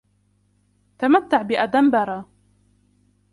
تمتع بأدنبرة!